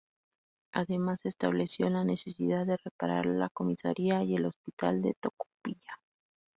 Además, se estableció la necesidad de reparar la comisaría y el hospital de Tocopilla.